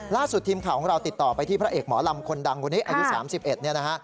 ล่าสุดทีมข่าวของเราติดต่อไปที่พระเอกหมอลำคนดังคนนี้อายุ๓๑เนี่ยนะฮะ